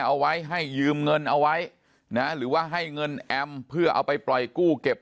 เอาไว้ให้ยืมเงินเอาไว้นะหรือว่าให้เงินแอมเพื่อเอาไปปล่อยกู้เก็บ